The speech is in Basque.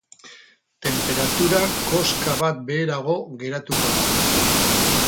Tenperatura koska bat beherago geratuko da.